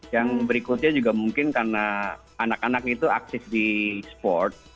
yang berikutnya juga mungkin karena anak anak itu aktif di sport